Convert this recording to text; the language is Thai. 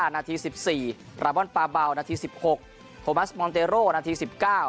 นัดที่สิบสี่ประบอบปลาเบานัดที่สิบหกโทมัสนัดที่สิบเก้า